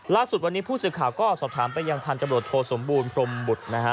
ล่าสุดวันนี้ผู้สื่อข่าวก็สอบถามไปยังพันธบรวจโทสมบูรณพรมบุตรนะฮะ